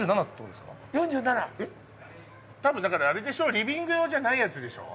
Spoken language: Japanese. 多分だからアレでしょリビング用じゃないやつでしょ？